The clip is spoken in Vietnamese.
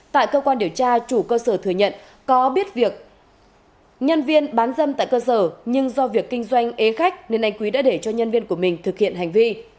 tại cơ quan điều tra chủ cơ sở thừa nhận có biết việc nhân viên bán dâm tại cơ sở nhưng do việc kinh doanh ế khách nên anh quý đã để cho nhân viên của mình thực hiện hành vi